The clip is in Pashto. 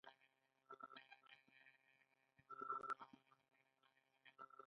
آیا دا د ایران لپاره لوی فرصت نه دی؟